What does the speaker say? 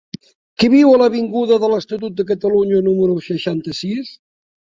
Qui viu a l'avinguda de l'Estatut de Catalunya número seixanta-sis?